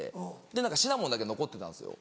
でシナモンだけ残ってたんですよ